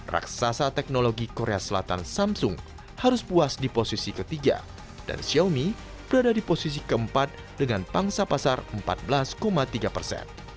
raksasa teknologi korea selatan samsung harus puas di posisi ketiga dan xiaomi berada di posisi keempat dengan pangsa pasar empat belas tiga persen